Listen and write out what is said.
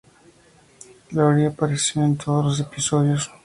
Laurie apareció en todos los episodios.